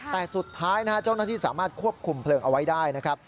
แต่สุดท้ายนะฮะเจ้าหน้าที่สามารถควบคุมเพลิงเอาไว้ได้นะครับ